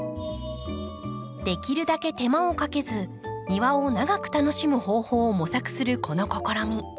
できるだけ手間をかけず庭を長く楽しむ方法を模索するこの試み。